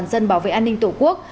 dân bảo vệ an ninh tổ quốc